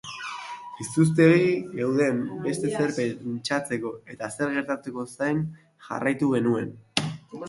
Izutuegi geunden beste ezer pentsatzeko, eta zer gertatuko zain jarraitu genuen.